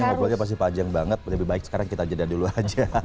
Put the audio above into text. ngobrolnya pasti panjang banget lebih baik sekarang kita jeda dulu aja